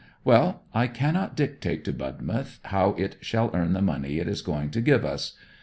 'Well, I cannot dictate to Budmouth how it shall earn the money it is going to give us.